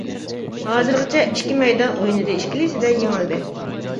ھازىرغىچە ئىككى مەيدان ئوينىدى ئىككىلىسىدە يېڭىلدى.